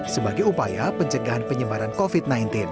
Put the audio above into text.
sebagai upaya pencegahan penyebaran covid sembilan belas